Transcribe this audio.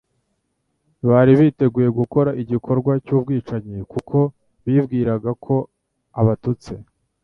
bari biteguye gukora igikorwa cy'ubwicanyi, kuko bibwiraga ko abatutse.